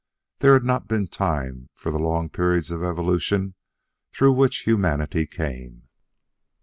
There had not been time for the long periods of evolution through which humanity came.